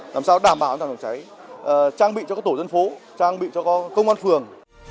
đảm bảo đảm bảo chứa cháy trang bị cho các tổ dân phố trang bị cho các công an phường